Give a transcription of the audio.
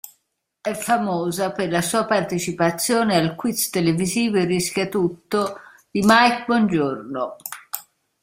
È famosa per la sua partecipazione al quiz televisivo "Rischiatutto" di Mike Bongiorno.